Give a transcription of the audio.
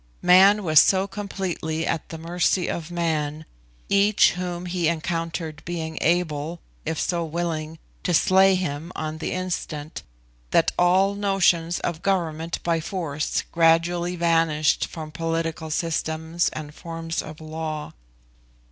Man was so completely at the mercy of man, each whom he encountered being able, if so willing, to slay him on the instant, that all notions of government by force gradually vanished from political systems and forms of law.